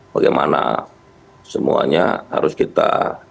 bagaimana semuanya harus kita